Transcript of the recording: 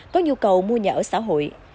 có nhu cầu mua nhà ở xã hội